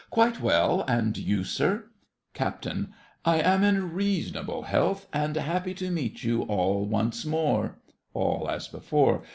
Quite well; and you, sir? CAPT. I am in reasonable health, and happy To meet you all once more. ALL (as before).